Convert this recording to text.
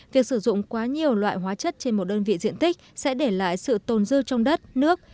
việc sử dụng quá nhiều loại hóa chất trên một đơn vị diện tích sẽ để lại sự tồn dư trong đất nước